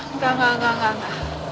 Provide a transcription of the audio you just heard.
enggak enggak enggak